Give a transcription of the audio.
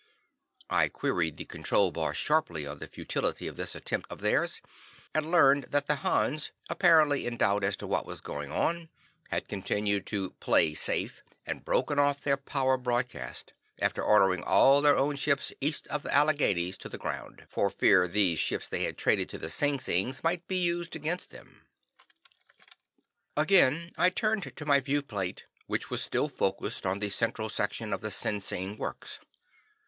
I queried the Control Boss sharply on the futility of this attempt of theirs, and learned that the Hans, apparently in doubt as to what was going on, had continued to "play safe," and broken off their power broadcast, after ordering all their own ships east of the Alleghenies to the ground, for fear these ships they had traded to the Sinsings might be used against them. Again I turned to my viewplate, which was still focussed on the central section of the Sinsing works.